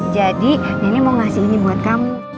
jadi nenek mau ngasih ini buat kamu